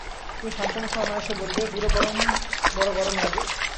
তুমি শান্তমুখে অনায়াসে বললে, বড়ো গরম লাগে।